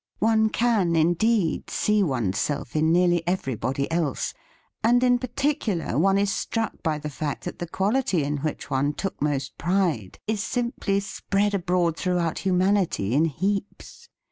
One can, indeed, see oneself in nearly every body else, and, in particular, one is struck by the fact that the quality in which one took most pride is simply spread abroad throughout humanity in heaps!